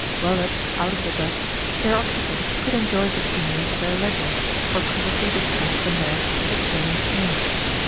Well up out of the dust, their occupants could enjoy the scenery at their leisure, or critically discuss the merits of the straining team.